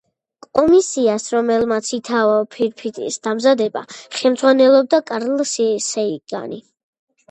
კომისიას, რომელმაც ითავა ფირფიტის დამზადება, ხელმძღვანელობდა კარლ სეიგანი.